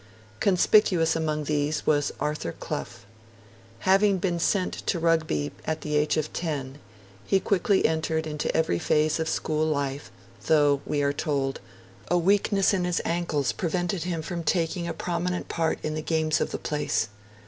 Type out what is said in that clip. Conspicuous among these was Arthur Clough. Having been sent to Rugby at the age of ten, he quickly entered into every phase of school life, though, we are told, 'a weakness in his ankles prevented him from taking a prominent part in the games of the place'.